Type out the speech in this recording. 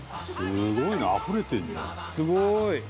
「すごい！」